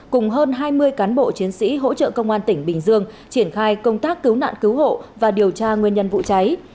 cùng hơn hai mươi cán bộ chiến sĩ hỗ trợ công an tỉnh bình dương triển khai công tác cứu nạn cứu hộ và điều tra nguyên nhân vụ cháy